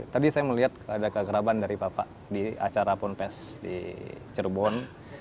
tadi saya melihat ada kegeraban dari bapak di acara ponpes di cirebon